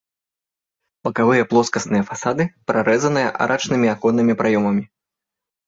Бакавыя плоскасныя фасады прарэзана арачнымі аконнымі праёмамі.